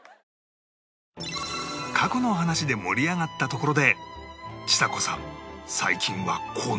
過去の話で盛り上がったところでちさ子さん